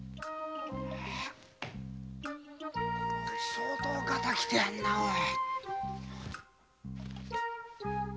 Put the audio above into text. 相当ガタがきてやがんなおい。